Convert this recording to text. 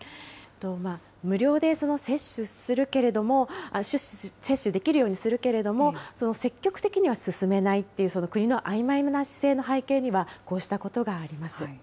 無料で接種できるようにするけれども、積極的には勧めないっていう国のあいまいな姿勢の背景には、こうしたことがあります。